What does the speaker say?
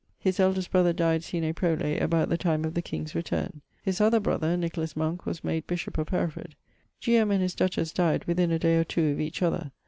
His eldest brother dyed sine prole, about the time of the King's returne. His other brother, was made bishop of Hereford. G. M. and his duchess dyed within a day or two of each other.